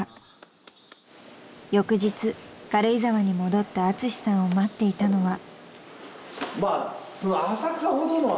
［翌日軽井沢に戻ったアツシさんを待っていたのは］